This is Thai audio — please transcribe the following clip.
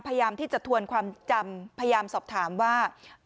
พยายามที่จะทวนความจำพยายามสอบถามว่า